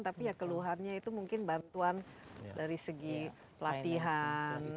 tapi ya keluhannya itu mungkin bantuan dari segi pelatihan